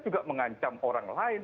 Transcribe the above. juga mengancam orang lain